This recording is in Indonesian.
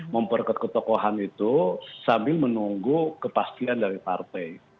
memperkuat ketokohan itu sambil menunggu kepastian dari partai